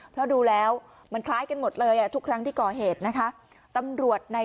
เพราะดูแล้วมันคล้ายกันหมดเลยทุกครั้งที่ก่อเหตุนะคะ